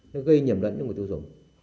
nó gây nhầm lẫn cho người tiêu dùng